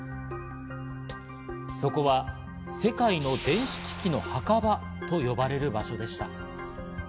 そこは世界の電子機器の墓場と呼ばれる場所でした。